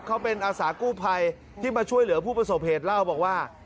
เขาเป็นอาสากู้ภัยที่มาช่วยเหลือผู้ประสบเหตุเล่าบอกว่า